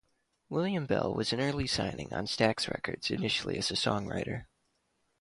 William Bell was an early signing on Stax Records initially as a songwriter.